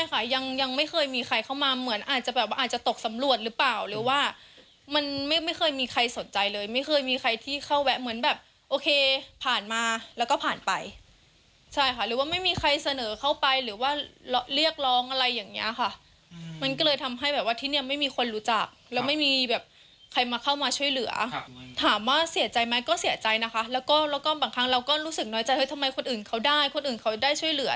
แล้วก็บางครั้งเราก็รู้สึกน้อยใจเฮ้ยทำไมคนอื่นเขาได้คนอื่นเขาได้ช่วยเหลือ